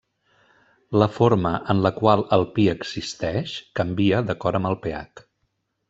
La forma en la qual el Pi existeix canvia d'acord amb el pH.